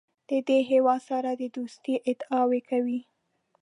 د دې هېواد سره د دوستۍ ادعاوې کوي.